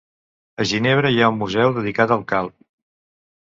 A Ginebra hi ha un museu dedicat a Calv